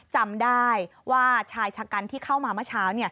จำได้ว่าชายชะกันที่เข้ามาเมื่อเช้า